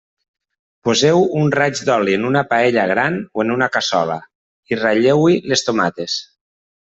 Poseu un raig d'oli en una paella gran o en una cassola i ratlleu-hi les tomates.